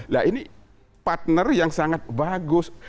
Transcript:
nah ini partner yang sangat bagus